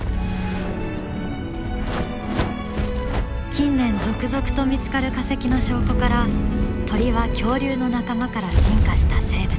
近年続々と見つかる化石の証拠から鳥は恐竜の仲間から進化した生物